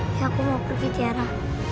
ya aku mau pergi tiara